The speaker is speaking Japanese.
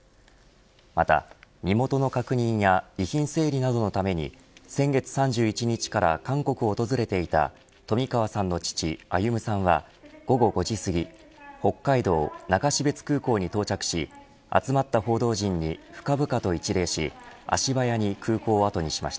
また、身元の確認や遺品整理などのために先月３１日から韓国を訪れていた富川さんの父、歩さんは午後５時すぎ北海道中標津空港に到着し集まった報道陣に深々と一礼し